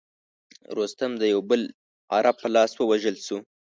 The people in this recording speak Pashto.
رستم د یوه بل عرب په لاس ووژل شو.